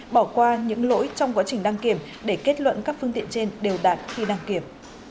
bỏ qua những lỗi trong quá trình đăng kiểm để kết luận các phương tiện trên đều đạt khi đăng kiểm